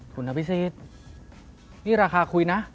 ถุนพิษีทนี่ราคาคุยนะ